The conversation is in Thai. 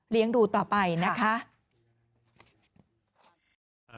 เลี้ยงดูต่อไปนะคะ